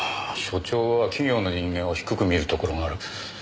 所長は企業の人間を低く見るところがある。